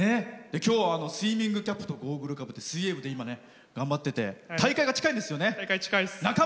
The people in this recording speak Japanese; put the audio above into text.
今日はスイミングキャップとゴーグルかぶって頑張ってて大会が近いんですよね。